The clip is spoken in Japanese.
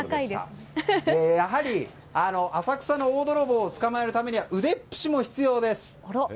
やはり、浅草の大泥棒を捕まえるためには腕っぷしも必要です。